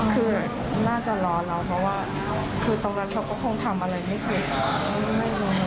คือน่าจะรอเราเพราะว่าคือตรงนั้นเขาก็คงทำอะไรไม่เก่ง